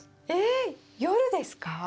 えっ夜ですか？